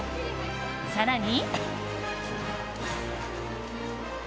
更に。